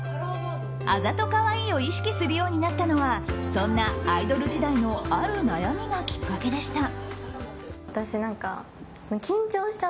あざとカワイイを意識するようになったのはそんなアイドル時代のある悩みがきっかけでした。